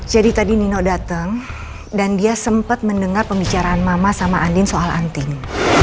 jadi tadi nino datang dan dia sempat mendengar pembicaraan mama sama andin soal anting